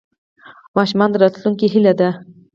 ماشومان د راتلونکي هیله ده.